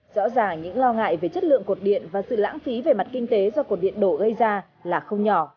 rõ ràng những lo ngại về chất lượng cột điện và sự lãng phí về mặt kinh tế do cột điện đổ gây ra là không nhỏ